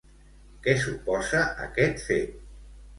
Què suposa aquest fet?